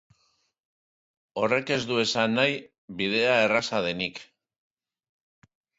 Horrek ez du esan nahi bidea erraza denik.